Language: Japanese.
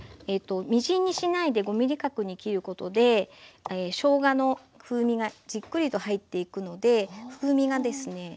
みじんにしないで５ｍｍ角に切ることでしょうがの風味がじっくりと入っていくので風味がですね